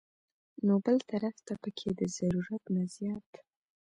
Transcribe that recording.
نو بل طرف ته پکښې د ضرورت نه زيات